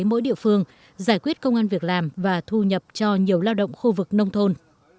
mỗi địa phương giải quyết công an việc làm và thu nhập cho nhiều lao động khu vực nông thôn